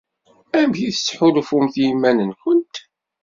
Amek i tettḥulfumt i yiman-nkent?